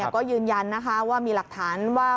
ก็ยืนยันนะคะว่ามีหลักฐานว่า